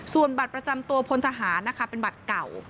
ส่วนบัตรประจำตัวพลทหารนะคะเป็นบัตรเก่า